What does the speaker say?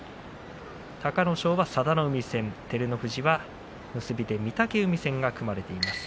隆の勝は佐田の海戦照ノ富士は結びで御嶽海戦が組まれています。